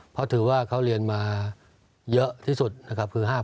เพราะถือว่าเขาเรียนมาเยอะที่สุดนะครับคือ๕๐